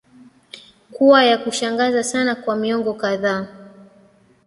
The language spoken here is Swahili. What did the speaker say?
kuwa ya kushangaza sana kwa miongo kadhaa